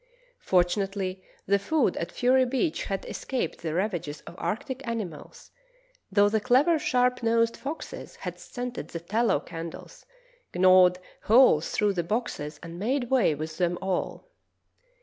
Fortunately the food at Fury Beach had escaped the ravages of arctic animals, though the clever sharp nosed foxes had scented the tallow candles, gnawed holes through the boxes, and made way with them all.